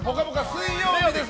水曜日です。